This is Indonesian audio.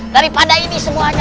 daripada ini semuanya